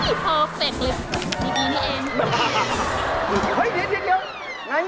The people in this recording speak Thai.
อุ๊ยพอเป็นมีนี่เอง